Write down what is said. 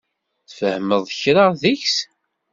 Tfehmeḍ kra deg-s?